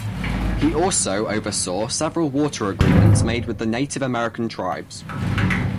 He also oversaw several water agreements made with Native American tribes.